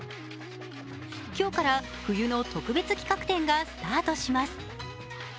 今日から冬の特別企画展がスタートします。